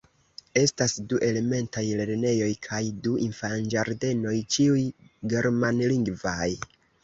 Estas du elementaj lernejoj kaj du infanĝardenoj, ĉiuj germanlingvaj.